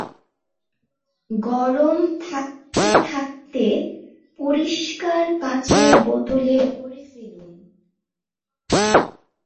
গরম থাকতে থাকতে পরিষ্কার কাচের বোতলে ভরে ফেলুন।